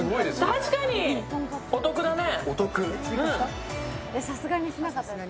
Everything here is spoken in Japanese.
確かに、お得だね。